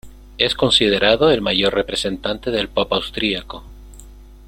Es considerado el mayor representante del pop austriaco.